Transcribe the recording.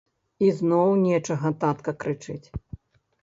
Ізноў нечага татка крычыць.